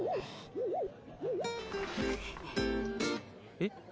えっ？